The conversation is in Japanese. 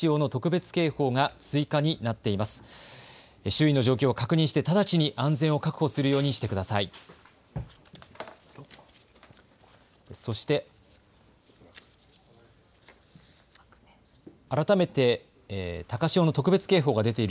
周囲の状況を確認して直ちに安全を確保するようにしてください。